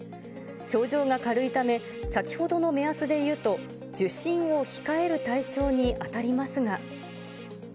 症状が軽いため、先ほどの目安でいうと、受診を控える対象に当たりますが。